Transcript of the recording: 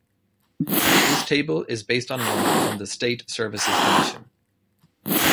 This table is based on one from the State Services Commission.